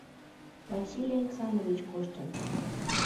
— Василий Александрович коштын?